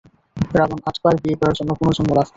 রাবণ আটবার বিয়ে করার জন্য পুনর্জন্ম লাভ করে?